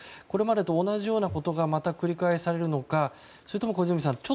これまでと同じようなことがまた繰り返されるのかそれとも小泉さん